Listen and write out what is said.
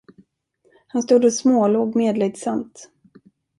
Han stod och smålog medlidsamt.